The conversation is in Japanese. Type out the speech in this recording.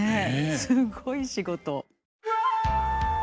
すごい仕事。